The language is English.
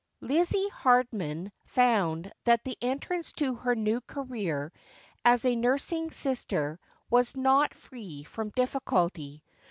Lizzie Haroman found that the entrance to her new career as a nursing sister was not free from difficulty.